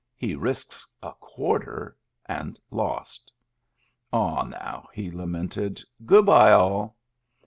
He risked a quarter, and lost. " Aw, now! " he lamented. " Good by, all."